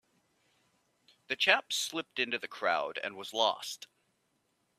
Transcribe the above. The chap slipped into the crowd and was lost.